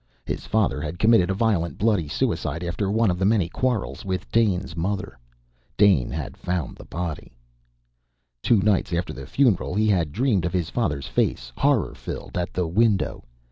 His father had committed a violent, bloody suicide after one of the many quarrels with Dane's mother. Dane had found the body. Two nights after the funeral, he had dreamed of his father's face, horror filled, at the window.